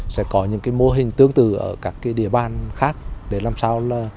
sẽ có những cái mô hình tương tự ở các địa bàn khác để làm sao là